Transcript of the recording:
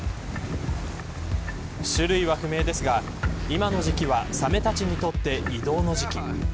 種類は不明ですが今の時期はサメたちにとって移動の時期。